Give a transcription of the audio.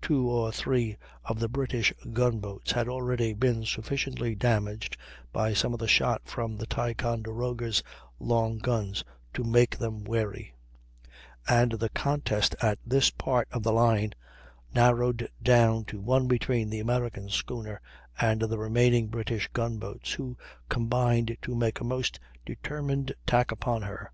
Two or three of the British gun boats had already been sufficiently damaged by some of the shot from the Ticonderoga's long guns to make them wary; and the contest at this part of the line narrowed down to one between the American schooner and the remaining British gun boats, who combined to make a most determined attack upon her.